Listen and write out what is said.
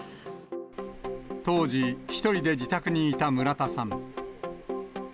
当時、１人で自宅にいた村田さん。